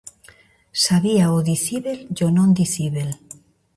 Sabía o dicíbel e o non dicíbel.